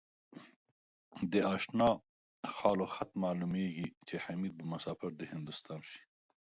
د آشناله خال و خطه معلومېږي ـ چې حمیدبه مسافر دهندوستان شي